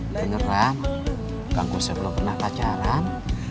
benarkah kang kusoy belum pernah pacaran